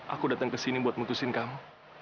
aku datang ke sini untuk memutuskan kamu